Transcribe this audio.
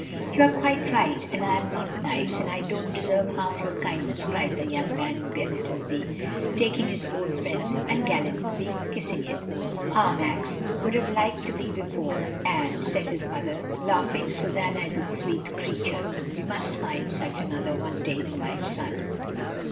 "You are quite right, and I am not nice, and I don't deserve half your kindness," cried the young man, penitently, taking his old friend's hand, and gallantly kissing it. "Ah, Max would have liked to be beforehand," said his mother, laughing. "Susanna is a sweet creature. We must find such another, one day, for my son."